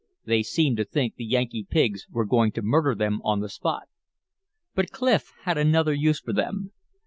They seemed to think the Yankee pigs were going to murder them on the spot. But Clif had another use for them.